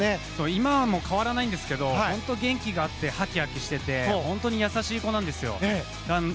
今も変わらないんですけど本当に元気があってはきはきして本当に優しい子なんですよ。